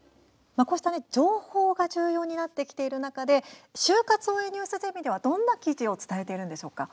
こうした情報が重要になってきている中で「就活応援ニュースゼミ」ではどんな記事を伝えているんでしょうか？